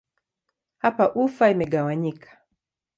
Hapa ufa imegawanyika.